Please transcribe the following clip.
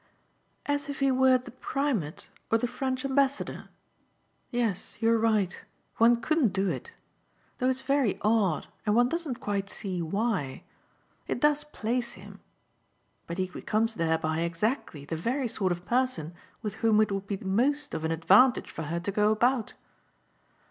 "As if he were the Primate or the French Ambassador? Yes, you're right one couldn't do it; though it's very odd and one doesn't quite see why. It does place him. But he becomes thereby exactly the very sort of person with whom it would be most of an advantage for her to go about.